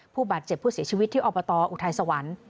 ผู้บาดเจ็บผู้เสียชีวิตที่อบตอุทัยสวรรค์